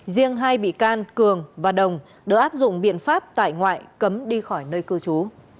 riêng hai bị can cường và đồng đều áp dụng biện pháp tại ngoại cấm đi khỏi nơi cư trú